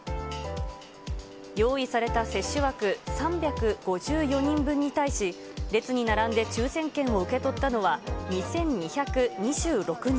用意された接種枠３５４人分に対し、列に並んで抽せん券を受け取ったのは２２２６人。